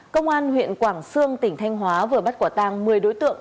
công an huyện quảng sương tỉnh thanh hóa vừa bắt quả tàng một mươi đối tượng